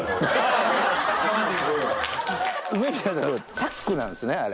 チャックなんですねあれ。